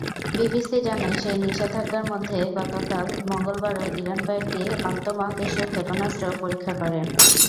BBC জানায়, সেই নিষেধাজ্ঞার মধ্যে গতকাল মঙ্গলবারও ইরান কয়েকটি আন্তমহাদেশীয় ক্ষেপণাস্ত্র পরীক্ষা করে।